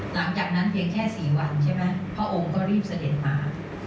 หลังจากนั้นเพียงแค่๔วันใช่ไหมพระองค์ก็รีบเสด็จมา